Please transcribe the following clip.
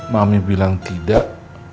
mami bilang tidak